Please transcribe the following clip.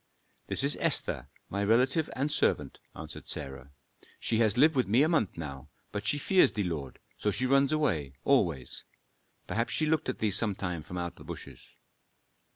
"This is Esther, my relative and servant," answered Sarah. "She has lived with me a month now, but she fears thee, lord, so she runs away always. Perhaps she looked at thee sometime from out the bushes."